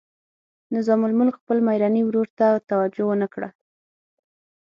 نظام الملک خپل میرني ورور ته توجه ونه کړه.